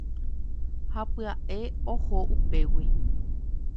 ha pya'e oho upégui